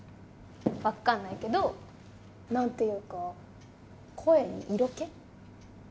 分かんないけど何ていうか声に色気？